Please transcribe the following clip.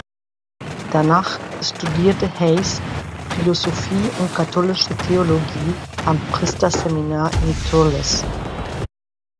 Danach studierte Hayes Philosophie und Katholische Theologie am Priesterseminar in Thurles.